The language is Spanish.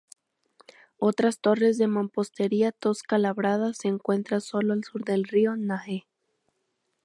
Otras torres de mampostería tosca labrada se encuentran solo al sur del río Nahe.